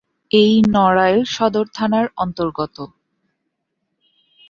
এটি নড়াইল সদর থানার অন্তর্গত।